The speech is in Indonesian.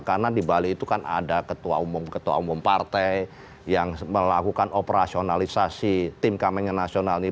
karena di bali itu kan ada ketua umum ketua umum partai yang melakukan operasionalisasi tim kampanye nasional ini